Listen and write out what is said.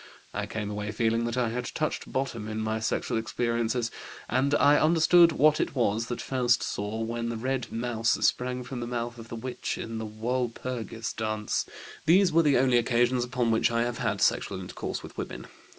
I came away feeling that I had touched bottom in my sexual experiences, and I understood what it was that Faust saw when the red mouse sprang from the mouth of the witch in the Walpurgis dance. "These were the only occasions upon which I have had sexual intercourse with women.